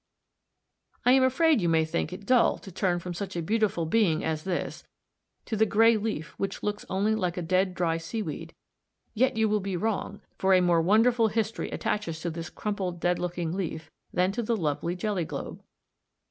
I am afraid you may think it dull to turn from such a beautiful being as this, to the grey leaf which looks only like a dead dry seaweed; yet you will be wrong, for a more wonderful history attaches to this crumpled dead looking leaf than to the lovely jelly globe.